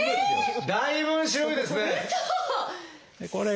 だいぶん白いですね！